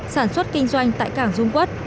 sản xuất kinh doanh tại cảng dung quốc